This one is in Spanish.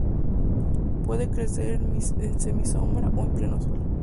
Puede crecer en semisombra o en pleno sol.